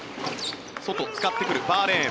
外を使ってくるバーレーン。